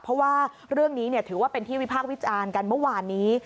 เพราะว่าเรื่องนี้ถือว่าเป็นที่วิพากษ์วิจารณ์กันเมื่อวานนี้